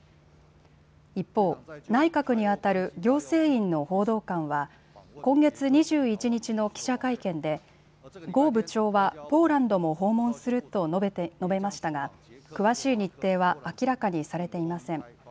一方、内閣に当たる行政院の報道官は今月２１日の記者会見で呉部長はポーランドも訪問すると述べましたが詳しい日程は明らかにされていません。